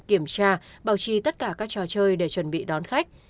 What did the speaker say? kiểm tra bảo trì tất cả các trò chơi để chuẩn bị đón khách